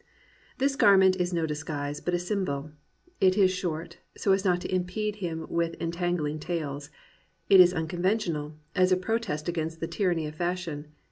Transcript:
This garment is no disguise but a symbol. It is short, so as not to impede him with entangling tails. It is unconventional, as a protest against the tyranny of fashion.